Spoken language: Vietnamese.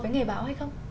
với nghề báo hay không